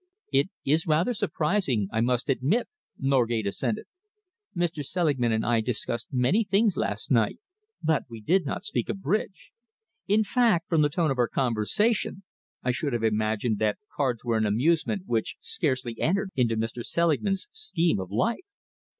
"It is rather surprising, I must admit," Norgate assented. "Mr. Selingman and I discussed many things last night, but we did not speak of bridge. In fact, from the tone of our conversation, I should have imagined that cards were an amusement which scarcely entered into Mr. Selingman's scheme of life."